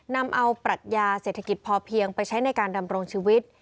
นำเอาปรัชญาเศรษฐกิจพอเพียงไปใช้ในการดำรงชีวิต